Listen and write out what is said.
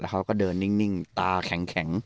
เขาก็เดินนิ่งตาแข็ง